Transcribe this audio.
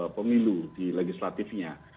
pemilu di legislatifnya